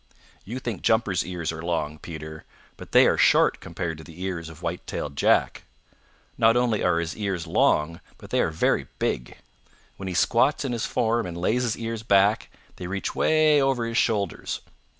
You think Jumper's ears are long, Peter, but they are short compared to the ears of White tailed Jack. Not only are his ears long, but they are very big. When he squats in his form and lays his ears back they reach way over his shoulders.